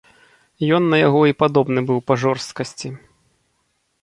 Ён на яго і падобны быў па жорсткасці.